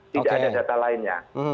tidak ada data lainnya